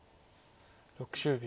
６０秒。